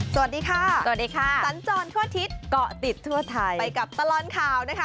สวัสดีค่ะสวัสดีค่ะสัญจรทั่วอาทิตย์เกาะติดทั่วไทยไปกับตลอดข่าวนะคะ